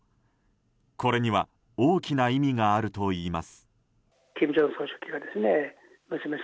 これには大きな意味があるといいます。